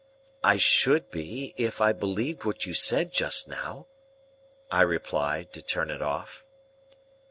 "I should be, if I believed what you said just now," I replied, to turn it off.